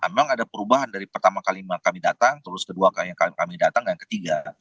memang ada perubahan dari pertama kali kami datang terus kedua yang kami datang dan ketiga